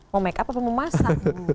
mau makeup apa mau masak